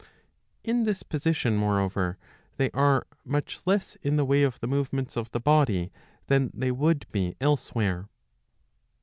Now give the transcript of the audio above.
In this position, moreover, they are much less in the way of the movements of the body than they would be elsewhere.